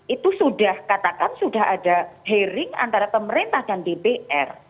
itu sudah katakan sudah ada hearing antara pemerintah dan dpr